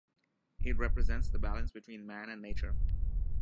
It represents the balance between man and nature.